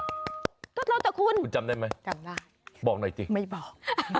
ก็เท่าแต่คุณจำได้มั้ยบอกหน่อยจริงไม่บอก